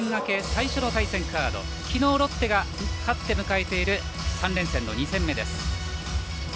最初の対戦カードきのうロッテが勝ち迎えている３連戦の２戦目です。